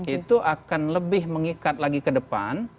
itu akan lebih mengikat lagi ke depan